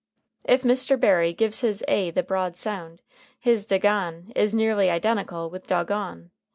If Mr. Barrie gives his a the broad sound, his "dagon" is nearly identical with "dog on."